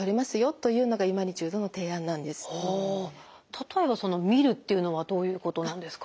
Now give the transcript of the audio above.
例えばその見るっていうのはどういうことなんですか？